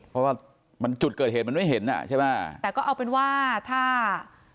เพราะว่ามันจุดเกิดเหตุมันไม่เห็นอ่ะใช่ไหมแต่ก็เอาเป็นว่าถ้า